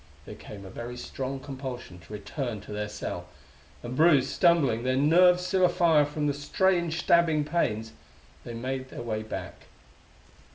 There came a very strong compulsion to return to their cell, and bruised, stumbling, their nerves still afire from their strange stabbing pains, they made their way back.